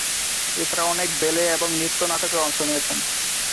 এছাড়া অনেক ব্যালে এবং নৃত্য নাটকেও অংশ নিয়েছেন।